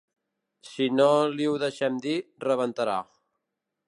Si no li ho deixen dir, rebentarà.